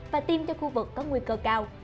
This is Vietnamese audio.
và tiêm cho khu vực có nguy cơ cao